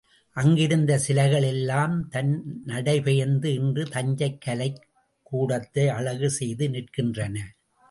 அங்கிருந்த சிலைகள் எல்லாம் தன் நடைபெயர்ந்து இன்று தஞ்சைக் கலைக் கூடத்தை அழகு செய்து நிற்கின்றன.